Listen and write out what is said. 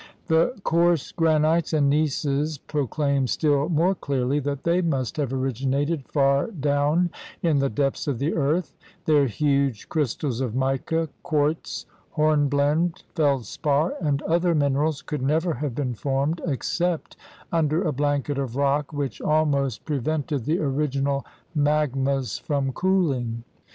The coarse granites and gneisses proclaim still more clearly that they must have originated far down in the depths of the earth; their huge crystals of mica, quartz, hornblende, feldspar, and other minerals could never have been formed except under a blanket of rock which almost pre vented the original magmas from cooling.